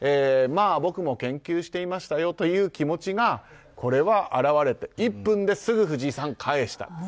まあ僕も研究していましたよという気持ちがこれは表れて１分ですぐ藤井さん、返した。